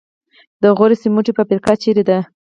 د غوري سمنټو فابریکه چیرته ده؟